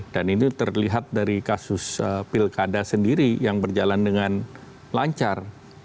dan ini terlihat dari kasus pilkada sendiri yang berjalan dengan lancar